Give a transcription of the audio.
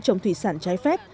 trồng thủy sản trái phép